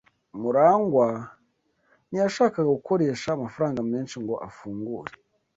Murangwa ntiyashakaga gukoresha amafaranga menshi ngo afungure.